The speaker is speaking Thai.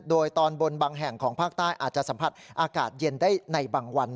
โดยตอนบนบางแห่งของภาคใต้อาจจะสัมผัสอากาศเย็นได้ในบางวัน